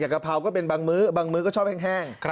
กะเพราก็เป็นบางมื้อบางมื้อก็ชอบแห้ง